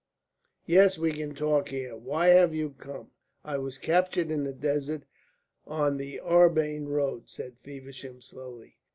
"Yes, we can talk here. Why have you come?" "I was captured in the desert, on the Arbain road," said Feversham, slowly.